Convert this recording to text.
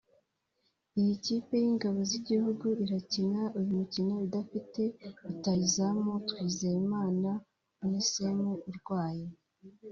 Iyi kipe y’Ingabo z’Igihugu irakina uyu mukino idafite rutahizamu Twizerimana Onesme urwaye